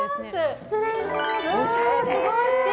失礼します。